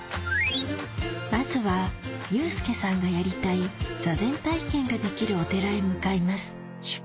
まずはユースケさんがやりたい坐禅体験ができるお寺へ向かいます